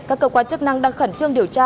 các cơ quan chức năng đang khẩn trương điều tra